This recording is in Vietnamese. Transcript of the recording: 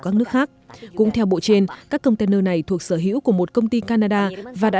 các nước khác cũng theo bộ trên các container này thuộc sở hữu của một công ty canada và đã